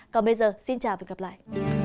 còn bây giờ xin chào và gặp lại